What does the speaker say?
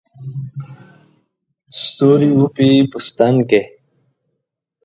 ستوري وپېي په ستن کې